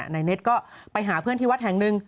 นายเน็ตก็ไปหาเพื่อนที่วัดแห่งหนึ่ง